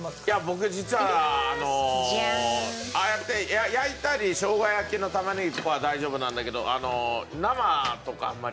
僕実はあのああやって焼いたりしょうが焼きの玉ねぎとかは大丈夫なんだけど。へえ！